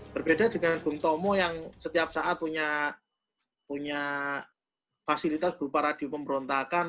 berbeda dengan bung tomo yang setiap saat punya fasilitas berupa radio pemberontakan